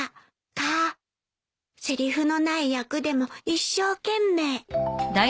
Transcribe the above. せりふのない役でも一生懸命。